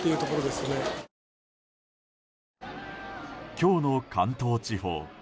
今日の関東地方。